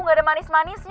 wait jangan panik dong